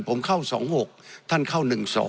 ผมเข้า๒๖ท่านเข้า๑๒